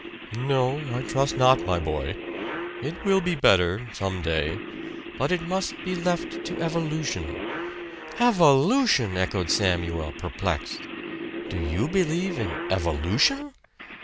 "No, I trust not, my boy. It will be better some day. But it must be left to evolution " "Evolution!" echoed Samuel perplexed. "Do you believe in evolution?"